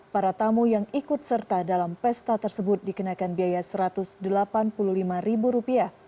para tamu yang ikut serta dalam pesta tersebut dikenakan biaya rp satu ratus delapan puluh lima